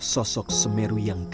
sosok semeru yang gagal